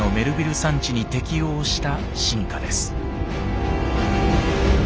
山地に適応した進化です。